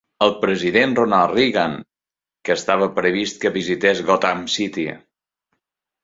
El president Ronald Reagan, que estava previst que visités Gotham City.